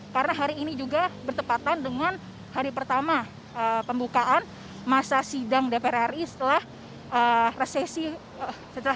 karena hari ini juga bertepatan dengan hari pertama pembukaan masa sidang dpr ri setelah